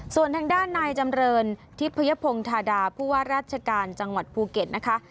ส่วนทางด้านนายจำเรินทิพยพงธาดาผู้ว่าราชการจังหวัดภูเก็ตนะคะ